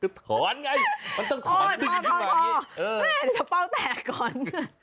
ก็ถอนไงมันต้องถอนพอแม่จะเป้าแตกก่อน